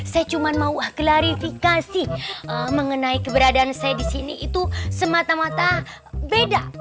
saya cuma mau klarifikasi mengenai keberadaan saya di sini itu semata mata beda